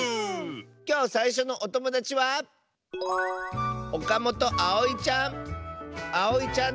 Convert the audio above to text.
きょうさいしょのおともだちはあおいちゃんの。